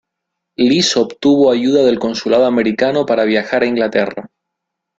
Lise obtuvo ayuda del Consulado Americano para viajar a Inglaterra.